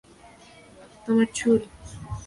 তোমার চুল।